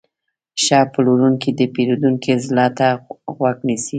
ښه پلورونکی د پیرودونکي زړه ته غوږ نیسي.